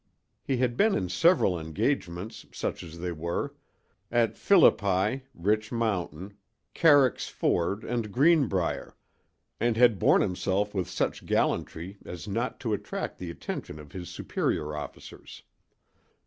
He had been in several engagements, such as they were—at Philippi, Rich Mountain, Carrick's Ford and Greenbrier—and had borne himself with such gallantry as not to attract the attention of his superior officers.